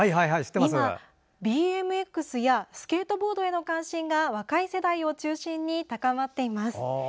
今、ＢＭＸやスケートボードへの関心が若い世代を中心に高まっています。